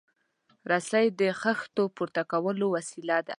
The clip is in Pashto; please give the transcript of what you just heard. رسۍ د خښتو پورته کولو وسیله ده.